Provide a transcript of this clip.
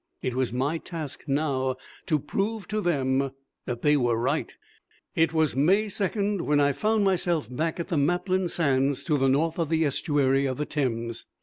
It was my task now to prove to them that they were right. It was May 2nd when I found myself back at the Maplin Sands to the north of the estuary of the Thames.